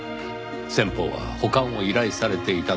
先方は保管を依頼されていただけ。